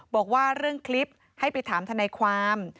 บอกว่าเรื่องคลิปให้ไปถามทนายความ